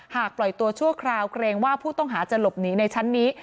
ปล่อยตัวชั่วคราวเกรงว่าผู้ต้องหาจะหลบหนีในชั้นนี้